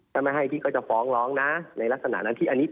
แต่ไม่ให้พี่ก็จะฟ้องร้องนะในลักษณะนั้น